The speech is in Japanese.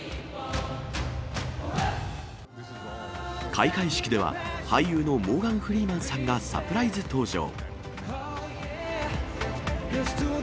開会式では、俳優のモーガン・フリーマンさんがサプライズ登場。